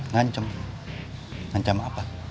ngancam ngancam apa